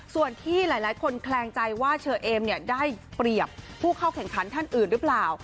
ส่วนที่หลายคนแคลงใจว่าเชอเอมได้เปรียบผู้เข้าแข่งขันท่านอื่นหรือเปล่า